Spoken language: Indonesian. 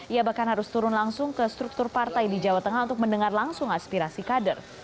ia bahkan harus turun langsung ke struktur partai di jawa tengah untuk mendengar langsung aspirasi kader